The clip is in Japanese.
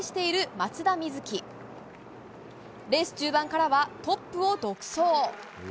レース中盤からはトップを独走。